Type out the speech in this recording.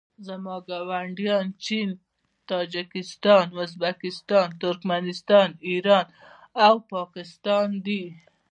زما ګاونډیان چین تاجکستان ازبکستان ترکنستان ایران او پاکستان دي